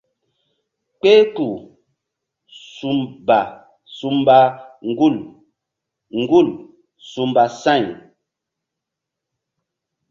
Kpehkpuh ba su mba ŋgul ŋgul su mba sa̧y.